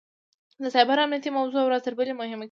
د سایبري امنیت موضوع ورځ تر بلې مهمه کېږي.